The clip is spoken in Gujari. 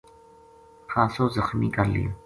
خاصو زخمی کر لیو